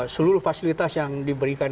seluruh fasilitas yang diberikan